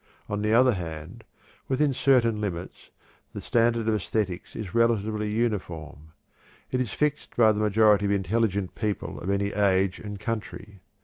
On the other hand, within certain limits, the standard of æsthetics is relatively uniform. _It is fixed by the majority of intelligent people of any age and country.